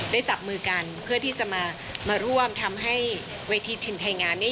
จับมือกันเพื่อที่จะมาร่วมทำให้เวทีถิ่นไทยงานนี้